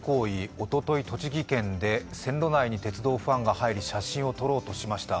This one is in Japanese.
おととい、栃木県で線路内に鉄道ファンが入り、写真を撮ろうとしました。